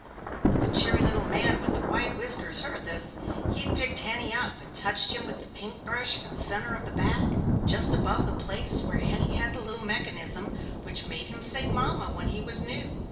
When the cheery little man with the white whiskers heard this, he picked Henny up and touched him with the paint brush in the center of the back, just above the place where Henny had the little mechanism which made him say "Mama" when he was new.